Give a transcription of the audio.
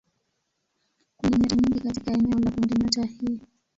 Kuna nyota nyingi katika eneo la kundinyota hii.